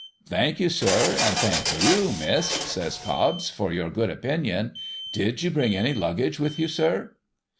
' Thank you, sir, and thank yo7{, miss,' says Cobbs, ' for your good opinion. Did you bring any luggage with you, sir